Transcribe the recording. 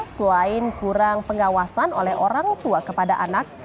selain kurang pengawasan oleh orang tua kepada anak